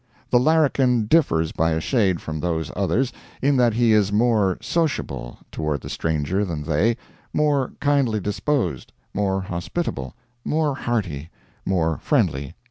The larrikin differs by a shade from those others, in that he is more sociable toward the stranger than they, more kindly disposed, more hospitable, more hearty, more friendly.